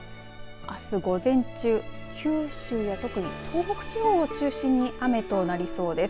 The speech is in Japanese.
あす午前中九州や特に東北地方を中心に雨となりそうです。